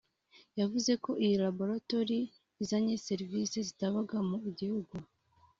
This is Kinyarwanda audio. yavuze ko iyi laboratoire izanye serivise zitabaga mu gihugu